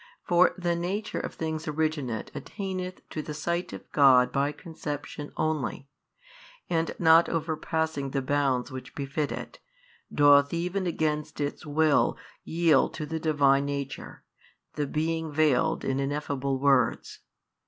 For the nature of things originate attaineth to the sight of God by conception only, and not overpassing the bounds which befit it, doth even against its will yield to the Divine Nature, the being veiled in ineffable words.